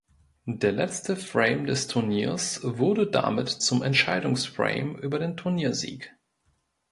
Der letzte Frame des Turniers wurde damit zum Entscheidungsframe über den Turniersieg.